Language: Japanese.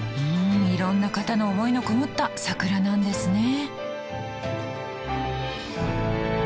うんいろんな方の思いのこもった桜なんですねえ。